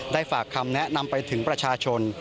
ฝากคำแนะนำไปถึงประชาชน